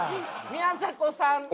宮迫さんを。